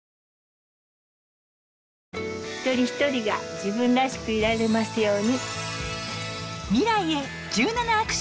一人一人が自分らしくいられますように。